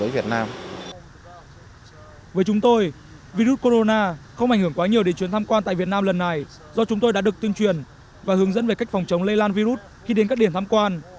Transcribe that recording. với chúng tôi virus corona không ảnh hưởng quá nhiều đến chuyến tham quan tại việt nam lần này do chúng tôi đã được tuyên truyền và hướng dẫn về cách phòng chống lây lan virus khi đến các điểm tham quan